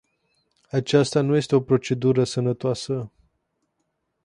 Aceasta nu este o procedură sănătoasă.